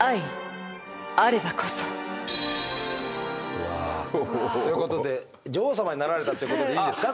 うわ。ということで女王様になられたってことでいいんですか？